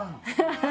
ハハハ！